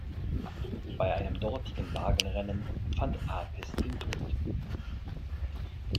Bei einem dortigen Wagenrennen fand Apis den Tod.